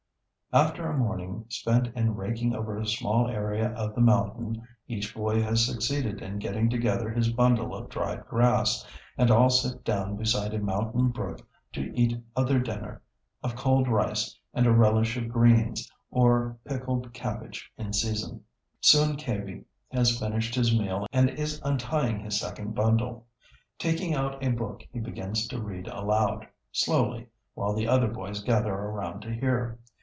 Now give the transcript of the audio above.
After a morning spent in raking over a small area of the mountain, each boy has succeeded in getting together his bundle of dried grass, and all sit down beside a mountain brook to eat of their dinner of cold rice and a relish of greens or pickled cabbage in season. Soon Kaiby has finished his meal and is untying his second bundle; taking out a book he begins to read aloud, slowly, while the other boys gather around to hear.